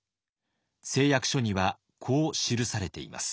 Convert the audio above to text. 誓約書にはこう記されています。